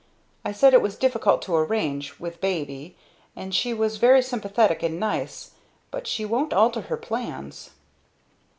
I said it was difficult to arrange with baby, and she was very sympathetic and nice, but she won't alter her plans."